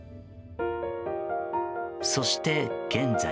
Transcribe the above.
そして現在。